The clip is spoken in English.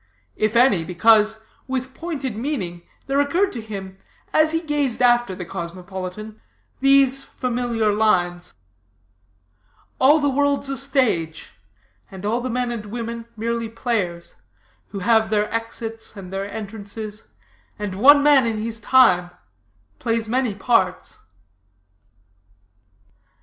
If any, because, with pointed meaning, there occurred to him, as he gazed after the cosmopolitan, these familiar lines: "All the world's a stage, And all the men and women merely players, Who have their exits and their entrances, And one man in his time plays many parts."